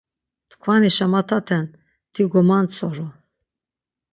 Tkvani şamataten ti gomantsoru.